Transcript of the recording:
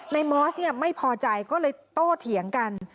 มอสไม่พอใจก็เลยโตเถียงกัน